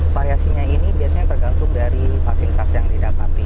variasinya ini biasanya tergantung dari fasilitas yang didapati